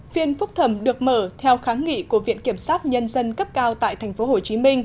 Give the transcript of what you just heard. phiên phúc thẩm được mở theo kháng nghị của viện kiểm sát nhân dân cấp cao tại tp hcm